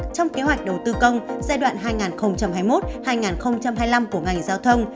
trong kế hoạch đầu tư công giai đoạn hai nghìn hai mươi một hai nghìn hai mươi năm của ngành giao thông